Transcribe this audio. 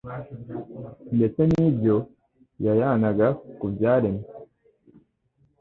ndetse n'ibyo yayanaga ku byaremwe.